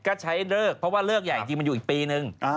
ก็ใช้เลิกเพราะว่าเลิกใหญ่จริงมันอยู่อีกปีนึง